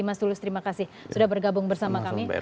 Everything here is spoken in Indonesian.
mas tulus terima kasih sudah bergabung bersama kami